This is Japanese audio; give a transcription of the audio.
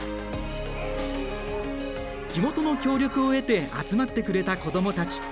地元の協力を得て集まってくれた子供たち。